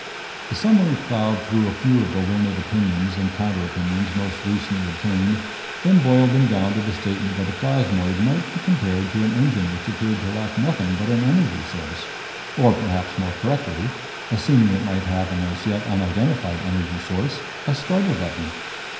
The summary plowed through a few of the learned opinions and counteropinions most recently obtained, then boiled them down to the statement that a plasmoid might be compared to an engine which appeared to lack nothing but an energy source. Or perhaps more correctly assuming it might have an as yet unidentified energy source a starter button.